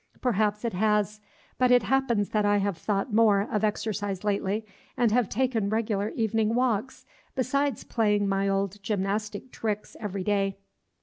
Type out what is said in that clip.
"Perhaps it has; but it happens that I have thought more of exercise lately, and have taken regular evening walks, besides playing my old gymnastic tricks every day."